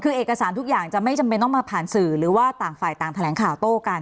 คือเอกสารทุกอย่างจะไม่จำเป็นต้องมาผ่านสื่อหรือว่าต่างฝ่ายต่างแถลงข่าวโต้กัน